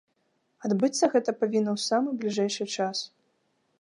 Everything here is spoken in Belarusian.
Адбыцца гэта павінна ў самы бліжэйшы час.